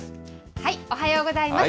おはようございます。